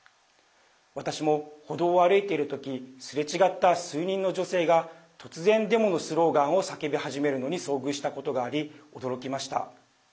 私も歩道を歩いている時すれ違った数人の女性が突然、デモのスローガンを叫び始めるのに遭遇したことがあり、驚きました。